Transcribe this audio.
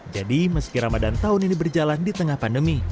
jadi meski ramadan tahun ini berjalan di tengah pandemi